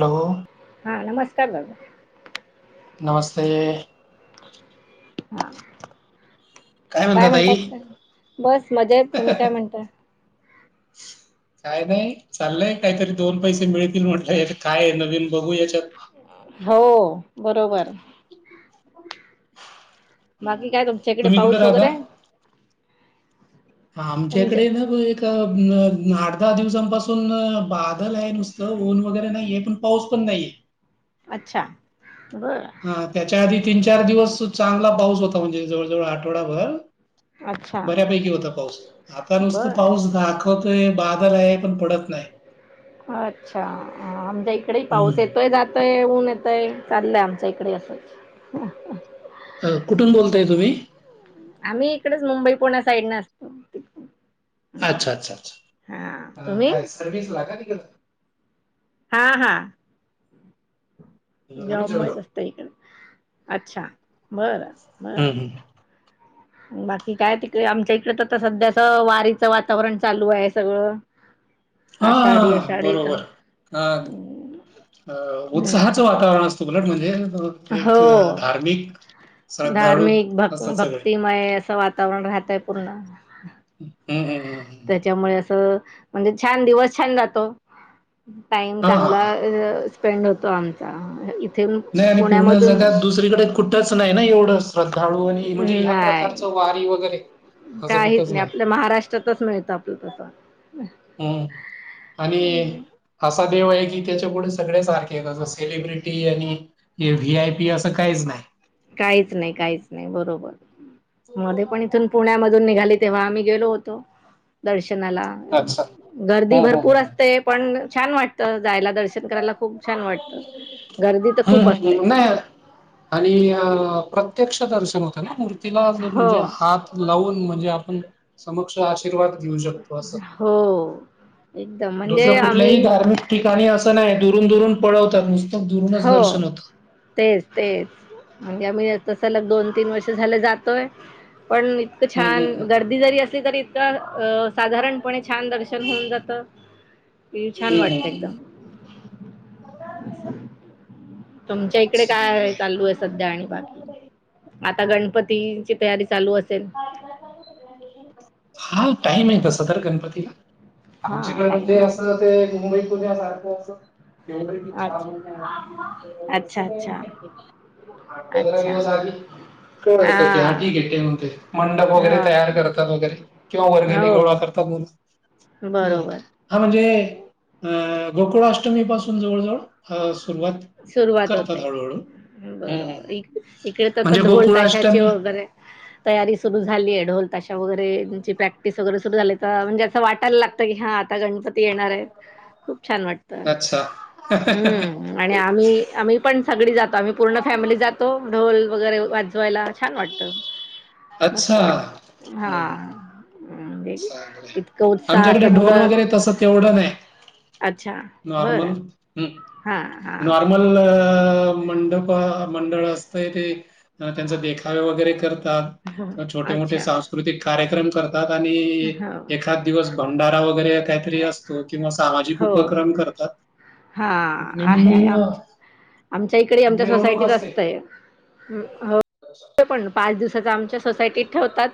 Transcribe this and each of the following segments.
Hello हा नमस्कार बाबाू नमस्ते हा म्हणता काय ताई म्हणतात बस मजा येत तुम्ही काय म्हणता [inaudible] काय नाही चाललंय काहीतरी दोन पैसे मिळतील म्हटलं काय नवीन बघू याच्यात हो बरोबर हम्म. बाकी काय तुमच्या इकडे तुम्ही कुठे पाऊस वगैरे तुमच्या आमच्याकडे ना अठ दहा दिवसांपासून बादल आहे नुसतं ऊन वगैरे नाहीये पण पाऊस पण नाहीये अच्छा बर हा त्याच्या आधी तीन चार दिवस चांगला पाऊस होता म्हणजे जवळजवळ आठवडाभर अच्छा बऱ्यापैकी होता पाऊस आता नुसत बर पाऊस घ दाखवतोय बादर आहे पण पडत नाही अच्छा आमच्या इकडे पाऊस हम्म. येतोय जात य ऊन येतय चाललंय आमच्या इकडे असंच हा अ कुठून बोलताय तुम्ही आम्ही इकडेच मुंबई पुण्या साईड न असतो अच्छा अच्छा हा अच्छा तुम्ही काय सर्विस लागा नि हा हा आम्ही जॉब जळगाव. मच असत इकडे अच्छा बरं बर हम्म हम्म. बाकी काय तिकडे आमच्या इकड तर सध्याच वारीचं वातावरण चालू आहे सगळं हा आषाढी हा आषाढीच बरोबर हा उत्साहाचं वातावरण असत चकलट म्हणजे एक अं, हो धार्मिक श्रद्धाळू धार्मिक भक् असतात सगळे. भक्तिमय असं वा वातावरण राहतय पूर्ण हम्म हम्म हम्म हम्म. त्याच्यामुळे असं म्हणजे छान दिवस छान जातो टाईम हां हां चांगला हां. स्पेंड होतो आम तर इथे नाही आणि पूर्ण पुण्यामधून जगात दुसरीकडे कुठंच नाही ना एवढं श्रद्धाळू आणि म्हणजे ह्या नाही प्रकारचं वारी वगैरे. असं काहीच कुठंच नाही आपल्या महाराष्ट्रातच नाही सापडत आता. हम् आणि. असा देव आहे की त्याच्या पुुढे सग्या सारखे आहे तसं सेलिब्रिटी आणि हे व्ही आय पी असं काहीच नाही. काहीच नाही काहीच नाही बरोबर मध्ये पण इथून पुण्यामधून निघाली तेव्हा आम्ही गेलो होतो. दर्शनाला अच्छा. गर्दी हं हं भरपूर हं. असते. ते पण छान वाटत जायला दर्शन करायला खूप छान वाटत गर्दी तर हं, खूप हं. असते. हं. नाही आणि प्रत्यक्ष दर्शन होतं ना मूर्तीला जो हो म्हणजे हात लावून म्हणजे आपण समक्ष आशीर्वाद घेऊ शकतो असं हो एकदम म्हणजे दुसरं कुठल्याही आम्ही धार्मिक ठिकाणी असं नाही दुरून दुरून पळवतात नस्तक दुरूनच हो दर्शन होतं. तेच तेच म्हणजे आम्ही त सलग दोन तीन वर्ष झाले जातोय पण इ हं, हं, छान हं. गर्दी जरी असली तरी इतका अ साधारण पने छान दर्शन होऊन जात. हम्म हम् ह. तुमच्या इकडे चांगलं काय आहे. चालू अस सध्या आणि बाकी आता गणपतीची तयारी चालू असेल. हा टाईम आहे तसं तर गणपतीला. हा आमच्याकडे म्हणजे टाइम असं ते मुंबईत पुण्या सारख असं बी आहे चव अच्छा अच्छा अच्छा [unintelligible] आठ पंधरा अच्छा दिवस आधी कळत की हा हटी घे ठेवून ते. मंडप वगैरे हा तयार करतात वगैरे किंवा वर्गनिक हो गोळा करतात हम्म. बरोबर हा म्हणजे अ गोकुळाष्टमी पाासून जवळ जवळ ह सुरुवात सुरुवात करतात होते हळूहळू. हम्म, बरोबर हम्म. इ इकडे तर आ म्हणजे ढोल ताशाचे गोकुळाष्टमी वगैरे तयारी सुरु झाली आहे ढोल तशा वगैरेची प्रॅक्टिस वगैरे सुरु झाली तर म्हणजे असं वाटायला लागत की हा आता गणपती येणार आहेत खूप छान वाटत अच्छा हम्म. आणि आम्ही आम्ही पण सगळी जातो आम्ही पूर्ण फॅमिली जातो तो ढोल वगैरे वाजवायला छान वाटत. मस्त अच्छा वाट हम्म. हा. हम्म. हम् चांगलंय. इतक उत्साह अस आमच्याकडे ढोल मुलं वगैरे तसं तेवढं नाही अच्छा बरं. ह हां, हां. नॉर्मल अ मंडप मंडळ असतं ते त्यांचा देखावे वगैरे करतात. हं. छोटे मोठे अच्छा. सांस्कृतिक कार्यक्रम करतात आणि हो, एखाद दिवस भंडारा वगैरे काहीतरी अस तो किंवा सामाजिक हो. उपक्रम करतात हां. आहे, आहे. आमच्या आमच्या इकडे आमच्या मिरवणूक सोसायटीत असते. असतंय. हो पण पाच दिवसाचा आमच्या सोसायटीत ठेवतात.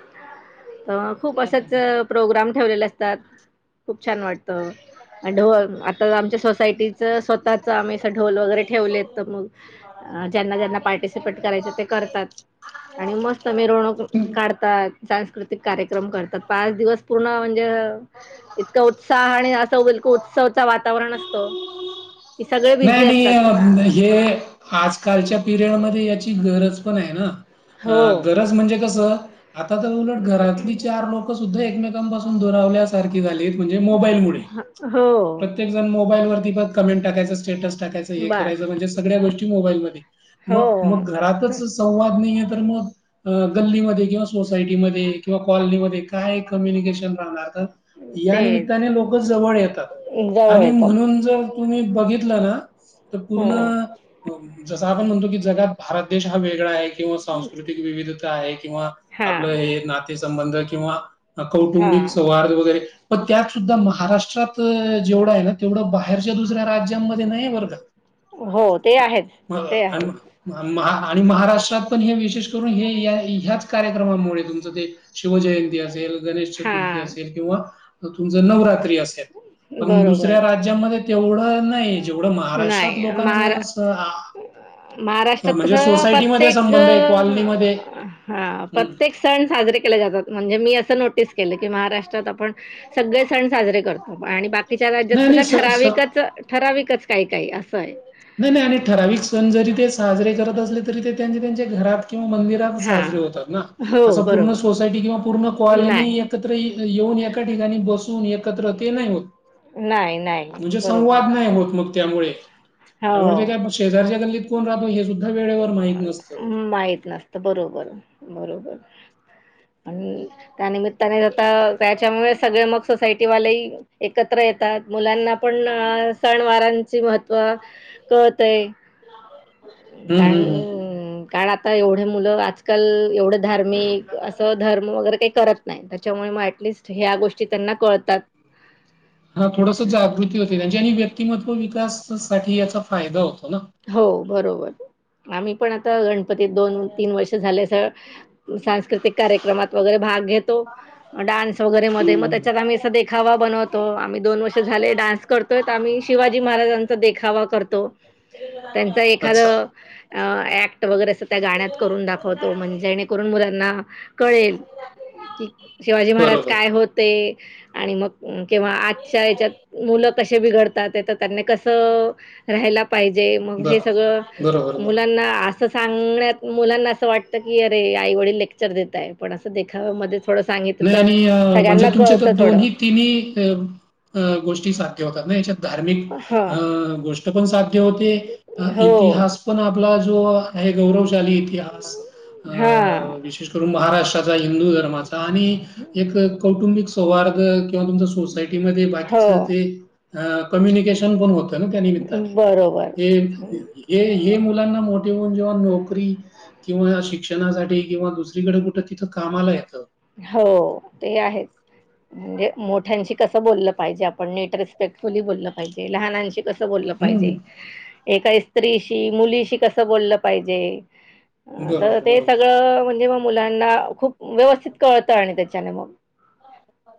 अ खूप असेच प्रोग्राम ठेवलेले असतात खूप छान वाटतं. ढोल आता आमच्या सोसायटीच स्वतःच आम्ही असं ढोल वगैरे ठेवलेत तर मग अ ज्यांना ज्यांना पार्टिसिपेट करायचं ते करतात. आणि मस्त मिरवणूक काढतात सांस्कृतिक कार्यक्रम करतात पाच दिवस. पूर्ण म्हणजे इतका उत्साह आणि असं उल त्सवच वातावरण असतो कि सगळे नाही बिझी आणि असतात ना. अं, हे आजकालच्या पिरियडमध्ये याची गरज पण आहे हो ना गरज म्हणजे कसं आता तर उलट घरातली चार लोकं सुद्धा एकमेकांपासून दुरावले अस ण हो प्रं स टाकायचं हे बस कराचं म्हणजे सगळ्या गोष्टी मोबाईलमध्ये हो मग मग घरातच संवाद नाही आहे तर मग गल्लीमध्ये किंवा सोसायटीमध्ये किंवा कॉलनीमध्ये काय कम्युनिकेशन राहणार तर या तेच निमित्ताने लोक जवळ येतात जवळ आणि येतात म्हणून जर ी बघितलं ना तर पूर्ण हम्म जसं आपण म्हणतो की जगात भारत देश हा वेगळा आहे किंवा सांस्कृतिक विविधता आहे किंवा हा आपलं हे नातेसंबंध किंवा हा कौटुंबिक सौहार्द वगैरे पण त्यात सुद्धा महाराष्ट्रात जेवढा आहे ना तेवढं बाहेरच्या दुसऱ्या राज्यांमध्ये नाही वर्गात हो ते आहेच मग ते आणि आहेच म म आणि महाराष्ट्रात पण हे विशेष करून हे ह्याच कार्यक्रमामुळे तुमचं ते शिवजयंती असेल गणेश चतुर्थी हां, असेल किंवा तुमच नवरात्री असेल! पण बरोबर. दुसऱ्या राज्यामध्ये तेवढं नाही. जेवढं महाराष्ट्रात नाही महारा लोकांच - महाराष्ट्रात कस प्रत्येक संबंध आहे कॉलनीमध्ये हा हम्म. प्रत्येक - सण साजरे केले जातात म्हणजे मी असं नोटीस केलं की महाराष्ट्रात आपण - सगळे सण साजरे करतो आणि बाकी - तिच्या राज्यात नाही कसं नाही स- स- ठराविकच ठराविकच काही काही असं आहे. नाही -नाही आणि ठराविक सण जरी ते साजरे करत असले तरी ते त्यां त्यांचे घरात किंवा मंदिर - एकत्र हां. साजरे होतात ना अस हो, पूर्ण बरोबर. सोसायटी किंवा पूर्ण कॉलनी नाही. - एकत्र येऊन एका ठिकाणी बसून एकत्र ते नाही होत. नाही, नाही. म्हणजे बरोबर. संवाद नाही होत मग त्यामुळे - त्यामुळे ते काय हो. शेजारच्या गल्लीत कोण राहतो हे सुद्धा वेळेवर माहीत नसतं. माहीत नसत तर बरोबर बरोबर पण त्यानिमित्ताने ज त्याच्यामुळे सगळे मग सोसायटीवालेही एकत्र येतात मुलांना पण सण वारांची महत्व कळतय आहे. हं, हं, हं, हं. कारण- कारण आता एवढे मुलं आजकाल एवढं - धार्मिक असं धर्म वगैरे काही करत नाही त्याच्यामुळे मग ऍटलिस्ट ह्या गोष्टी त्यांना कळतात. हा थोडस जागृती होती त्यांच्या आणि व्यक्तिमत्व विकास साठी याचा फायदा होतो ना - हो बरोबर आम्ही पण आता गणपतीत दोन तीन वर्ष झाल्यास! सांस्कृतिक कार्यक्रमात वगैरे भाग घेतो. डान्स वगैरे मध्ये मग हं. त्याच्यात आम्ही असा देखावा बनवतो आम्ही दोन वर्ष झाले डान्स - करतोय आम्ही शिवाजी महाराजांचा देखावा करतो. त्यांच एखाद अच्छा. ऍक्ट वगैरे - त्या गाण्यात करून दाखवतो म्हण जेणेकरून मुलांना कळे की शिवाजी महाराज बरोबर. काय होते. आणि मग कंवा आजच्या याच्यात मुलं कसे बिघडतात तर त्यांनी कसं - राहायला पाहिजे मग हे बरं. सगळं बरोबर, बरोबर. मुलांना - असं सांगण्यात मुलांना असं वाटतं की अरे आई वडील लेक्चर देत आहे पण असं देखाव्यामध्ये - थोडं सांगित तर सगळ्यांना कळत थोडं- की मी गोष्टी साध्य होतात ना याच्यात! धार्मिक हा अ गोष्ट पण साध्य होते हो इतिहास - पण आपला जो आहे गौरवशाली इतिहास - हा महाष्ट्राचा हिंदू धर्माचा आणि एक कौटुंबिक सौहार्ग्र किंवा तुमच - सोसायटीमध्ये बाकीच हो ते कम्युनिकेशन पण हो - त्या निमित्ताने बरोबर मुलांना मोठे होऊन जेव्हा नोकरी - किंवा शिक्षणासाठी किंवा दुसरीकडे कुठं तिथं कामाला येतं. हो ते आहेच- म्हणजे मोठ्यांशी कसं बोललं पाहिजे आपण नेट रेस्पेक्टफुली बोललं पाहिजे लहानांशी कसं - कस बोललं हं. पाहिजे एका स्त्रीशी मुलीशी कसं बोललं पाहिजे! तर बरोबर, ते बरोबर. सगळं म्हणजे म मुलांना खूप व्यवस्थित - कळत आणि तत्याच्याने मग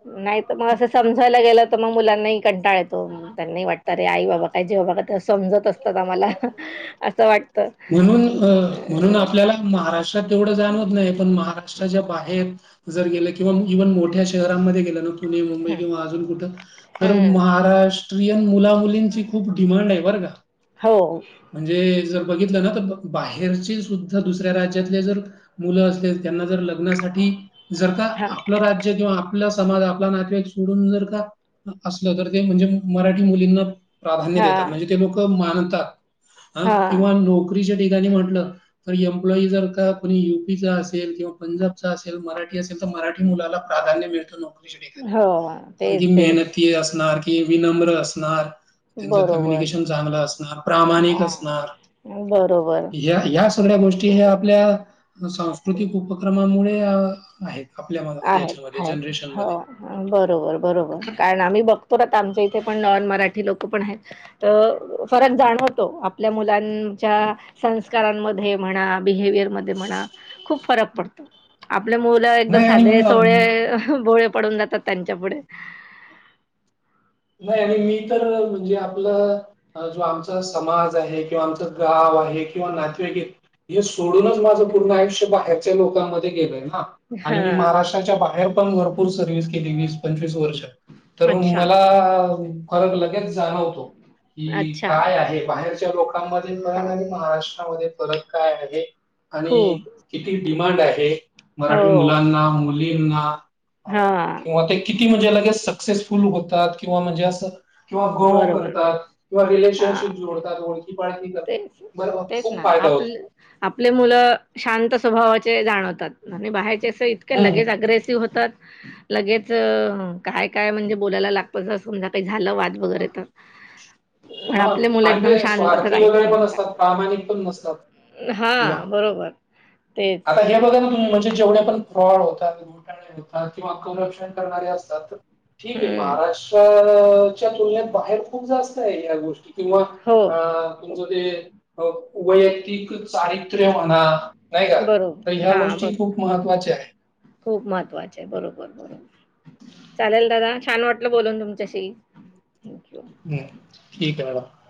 नाही मग अस समजायला गेलं. मग मुलांही कंटाळत- तो त्यांना वाटत अरे आई बाबा काय जे बाबा का ते समजत असतात आम्हाला असं वाट - म्हणून- म्हणून आपल्याला महाराष्ट्रात तेवढं जाणवत नाही पण महाराष्ट्र - च्या बाहेर जर गेलं किंवा इव्हन मोठ्या शहरांमध्ये गेलं ना - पुणे मुंबई हं, किंवा अजून कुठं तर हं. महाराष्ट्र - ऑस्ट्रियन मुलामुलींची खूप डिमांड आहे बरं का - हो म्हणजे जर बघितलं ना तर बाहेरचे सुद्धा दुसऱ्या राज्यातले जर - मुलं असले त्यांना जर लग्नासाठी जर का हां, आपलं राज्य किंवा आपला समाज आपला नातेवाईक सोडून जर का असलं तर ते म्हणजे मराठी मुलींना प्राधान्य देतात हां, म्हणजे ते लोक मानतात हा हां. किंवा नोकरीच्या ठिकाणी म्हटलं तर एम्प्लॉई जर का कोणी यु पीचा असेल किंवा पंजाबचा असेल मराठी असेल मराठी मु प्रध्य मिळत नोकरी ठिकाणी हो. कारण की तेच, तेच. मेहनती अस विनम्र असणार त्यांच बरोबर. कम्युनिकेशन चांगलं असणार प्रामाणिक हां. असणार बरोबर. या या सगळ्या गोष्टी हे आपल्या सांस्कृतिक उपक्रमामुळे आहेत आपल्या म- आहेत याच्यामध्ये आहेत हो जनरेशनमध्ये बरोबर बरोबर कारण आम्ही बघत तर आता आमच्या इथे पण नॉन मराठी लोक पण आहेत तर फरक जाणवतो आपल्या मुलांच्या - संस्कारांमध्ये म्हणा बिहेवियर म म्हणा खूप फरक पडत आपल्यामुळे - आप एकदम नाही साधे आणि अ, सोळे बोळे पडून जातात त्यांच्या पुढे नाही आणि मी तर म्हणजे आपलं जो आमचा समाज आहे किंवा आमचं गाव आहे किंवा नातेवाकीत हे सोडूनच माझं पूर्ण आयुष्य बाहेरच्या लोकांमध्ये गेलय ना आणि मी हा महाराष्ट्राच्या बाहेर पण भरपूर सर्व्हस केली वीस पंचवीस वर्ष तर म अच्छा फर लगेच जाणवतो की अच्छा काय आहे बाहे लोकांमध्ये फर हो आणि महाराष्ट्रामध्ये फत काय आहे आणि खूप किती डिमांड आहे मराठी हो मुलांना मुलींना हा किंवा ते किती म्हणजे लगेच सक्सेसफुल होतात किंवा म्हणजे असं किंवा गोह बरोबर करतात किंवा हा रिलेशनशिप जोडतात ओळखी पाळखी करतात तेच बर मग तेच खूप ना फायदा होत आपलं आपले मुलं शांत स्वभावाचे जाणवतात म्ह बाहेयचे अस इतक लगेच अग्रेसिव्ह होतात लगेच काय काय म्हणजे बोलायला लागत ज समजा काही झालं वा वगैरे तर पण हा आपले मुलं आणि एकदम ते शांततच स्वार्थी वगैरे ऐकून पण घेतात असतात प्रामाणिक पण नसतात किंवा हां बरोबर तेच आता हे बघाल म्हणजे जेवढे पण फॉड होतात गोटातात किंवा संरक्षण करणारे असतात तर ठीक आहे हम्म महाराष्ट्राच्या तुलनेत बाहेर खूप जास्त आहे या गोष्टी किंवा हो अ तुमचं खूप ते वैयक्तिक चारित्र्य होणार नाही का तर बरोबर ह्या हा गोष्टी बरोबर खूप महत्त्वाच्या आहेत. खूप महत्त्वाचे आहे बरोबर बरोबर चालेल दादा छान वाटलं बोलून तुमच्याशी? थँक्यू हम्म ठीक आहे मडम.